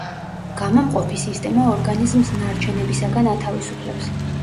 გამომყოფი სისტემა ორგანიზმს ნარჩენებისაგან ათავისუფლებს.